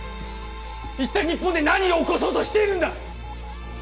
一体日本で何を起こそうとしているんだ！